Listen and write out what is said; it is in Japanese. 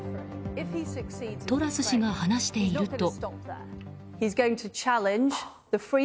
トラス氏が話していると。